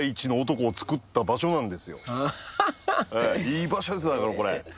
いい場所ですだからこれ。